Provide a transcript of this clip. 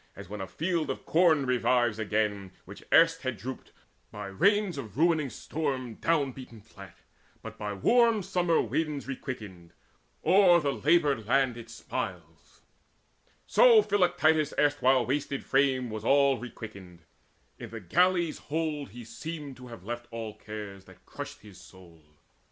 As when a field of corn revives again Which erst had drooped, by rains of ruining storm Down beaten flat, but by warm summer winds Requickened, o'er the laboured land it smiles, So Philoctetes' erstwhile wasted frame Was all requickened: in the galley's hold He seemed to have left all cares that crushed his soul.